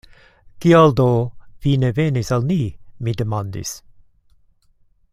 Kial do vi ne venis al ni? mi demandis.